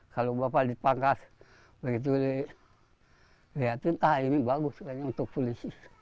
kalau bapak dipangkat begitu ya itu entah ini bagus untuk pulisi